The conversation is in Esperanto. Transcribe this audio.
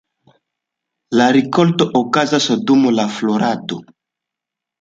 La rikolto okazas dum la florado.